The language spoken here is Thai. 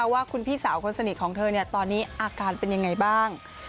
ว่าคุณพี่สาวคนสนิทของเธอตอนนี้อาการเป็นยังไงบ้าง